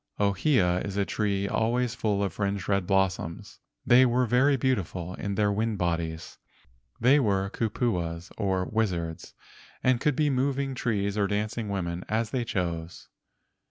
Ohia is a tree always full of fringed red blossoms. They were very beauti¬ ful in their wind bodies. They were kupuas, 126 LEGENDS OF GHOSTS or wizards, and could be moving trees or dancing women as they chose.